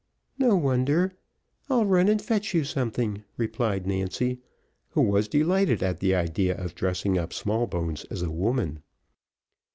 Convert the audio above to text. "No wonder, I'll run and fetch you something," replied Nancy, who was delighted at the idea of dressing up Smallbones as a woman.